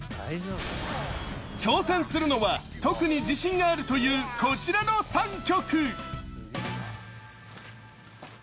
挑戦するのは特に自信があるというこちらの３曲。